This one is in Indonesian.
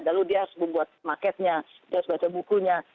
lalu dia harus membuat marketnya dia harus baca bukunya